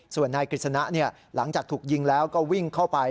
ส่วนนายกฤษณะหลังจากถูกยิงแล้วก็วิ่งเข้าไป